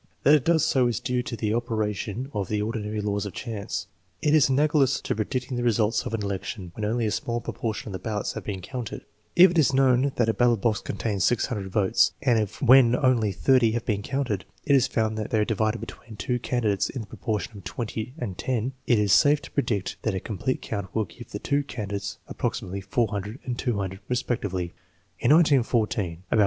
That it does so is due to the opera tion of the ordinary laws of chance. It is analogous to pre dicting the results of an election when only a small propor tion of the ballots have been counted. If it is known that a ballot box contains 600 votes, and if when only 30 have been counted it is found that they are divided between two candidates in the proportion of 20 and 10, it is safe to pre dict that a complete count will give the two candidates 230 THE MEASLHEMENT OF INTELLIGENCE approximately 400 and 200 respectively. 1 In 1914 about.